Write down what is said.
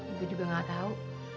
ibu juga gak tahu